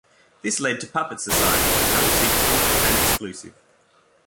This led to puppet societies becoming secretive and exclusive.